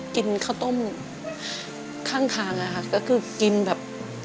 กินข้าวต้มข้างก็คือกินแบบ